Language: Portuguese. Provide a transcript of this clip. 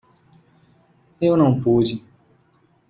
Eu não pude.